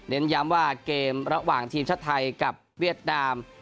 ย้ำว่าเกมระหว่างทีมชาติไทยกับเวียดนาม